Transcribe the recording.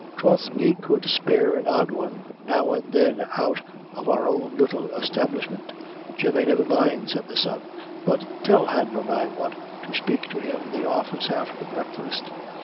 Troth, we could spare an odd one now and then out of our own little establishment." "Jemmy, never mind," said the son, "but tell Hanlon I want to speak to him in the office after breakfast."